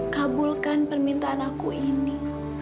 kabulkan permintaan aku ini